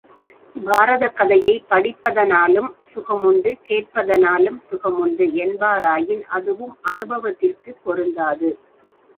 பாரதக் கதையைப் படிப்பதனாலும் சுகமுண்டு, கேட்பதனாலும் சுகமுண்டு என்பாராயின் அதுவும் அனுபவத்திற்குப் பொருந்தாது.